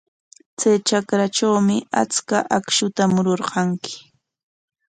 Chay trakratrawmi achka akshuta mururqanki.